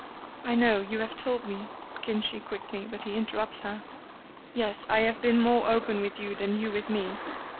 "I know; you have told me," begins she quickly, but he interrupts her. "Yes, I have been more open with you than you with me.